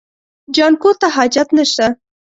جانکو ته حاجت نشته.